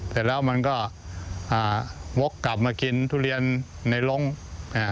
เสร็จแล้วมันก็อ่าวกกลับมากินทุเรียนในลงอ่า